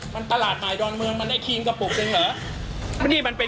มันตลาดหมายดอนเมืองมันได้ขี้มกระปุกจริงเหรอ